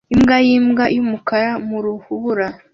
Imbwa yimbwa yumukara mu rubura